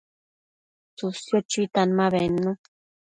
tsësio chuitan ma bednu